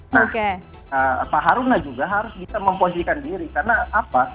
nah pak haruna juga harus bisa memposisikan diri karena apa